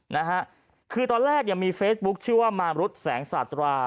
นะฮะคือตอนแรกยังมีเฟซบุ๊คชื่อว่ามามรุษแสงสาตรา